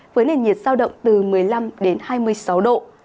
với nền nhiệt sao động từ một mươi năm đến hai mươi sáu độ